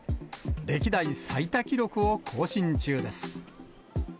歴代最多記録を更新中です。